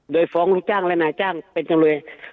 โดยฟ้องลูกจ้างและนายจ้างเป็นจำเลย